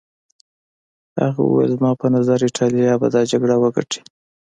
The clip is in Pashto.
هغه وویل زما په نظر ایټالیا به دا جګړه وګټي.